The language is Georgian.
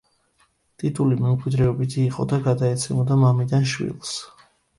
ტიტული მემკვიდრეობითი იყო და გადაეცემოდა მამიდან შვილს.